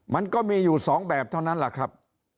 มันก็มีอยู่๒แบบเท่านั้นแหละครับ